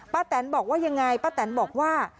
แตนบอกว่ายังไงป้าแตนบอกว่า